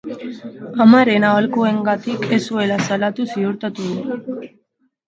Amaren aholkuengatik ez zuela salatu ziurtatu du.